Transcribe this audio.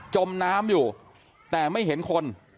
จมน้ำอยู่แต่ไม่เห็นคน